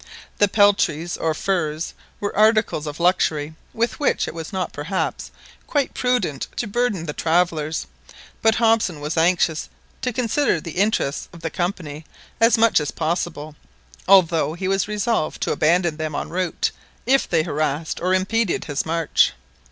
The peltries or furs were articles of luxury with which it was not perhaps quite prudent to burden the travellers, but Hobson was anxious to consider the interests of the Company as much as possible, although he was resolved to abandon them, en route, if they harassed or impeded his march.